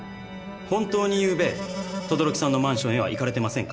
本当にゆうべ等々力さんのマンションへは行かれてませんか？